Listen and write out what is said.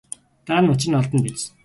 Дараа нь учир нь олдоно биз.